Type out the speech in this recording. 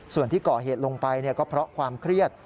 ส่วนที่ก่อเหตุลงไปก็เพราะความเครียด